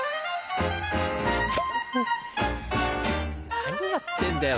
何やってんだよ